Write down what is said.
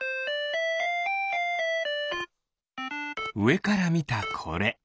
うえからみたこれ。